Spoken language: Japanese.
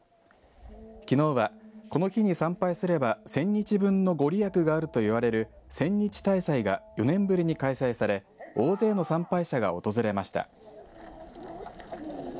きのうはこの日に参拝すれば１０００日分の御利益があるといわれる千日大祭が４年ぶりに開催され大勢の参拝者が訪れました。